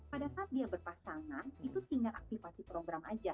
pada saat dia berpasangan itu tinggal aktifasi program aja